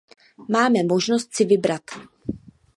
Máme možnost si vybrat.